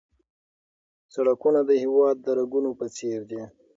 سړکونه د هېواد د رګونو په څېر دي.